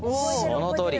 そのとおり。